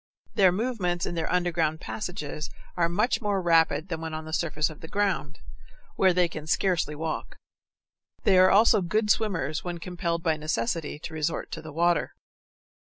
Their movements in their underground passages are much more rapid than when on the surface of the ground, where they can scarcely walk. They are also good swimmers when compelled by necessity to resort to the water.